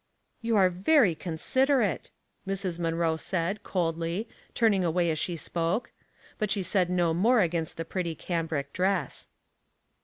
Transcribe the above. *' You are very considerate," Mra. Munroe said, coldly, turning away as she spoke. But she said no more against the pretty cambric dress.